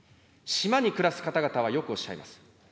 島に暮らす方々はよくおっしゃいます。